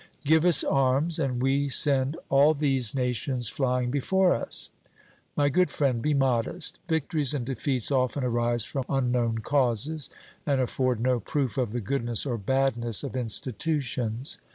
'Give us arms, and we send all these nations flying before us.' My good friend, be modest; victories and defeats often arise from unknown causes, and afford no proof of the goodness or badness of institutions.